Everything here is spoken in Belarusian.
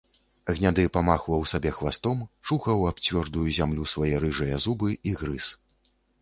Гняды памахваў сабе хвастом, чухаў аб цвёрдую зямлю свае рыжыя зубы і грыз.